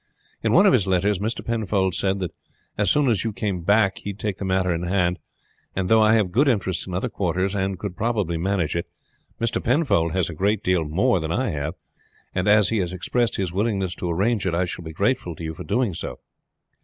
In one of his letters Mr. Penfold said that as soon as you came back he would take the matter in hand, and though I have good interest in other quarters and could probably manage it, Mr. Penfold has a great deal more than I have, and as he has expressed his willingness to arrange it I shall be grateful to him for doing so."